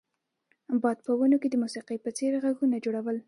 باد په ونو کې د موسیقۍ په څیر غږونه جوړول